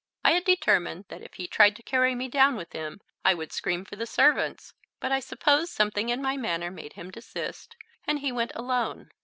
I had determined that if he tried to carry me down with him I would scream for the servants, but I suppose something in my manner made him desist, and he went alone.